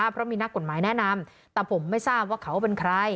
เพราะมีนักกฎหมายแนะนำแต่ผมไม่ทราบว่าเขาเป็นใคร